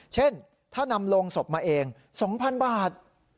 เช่นถ้านำลงศพมาเอง๒๐๐๐บาท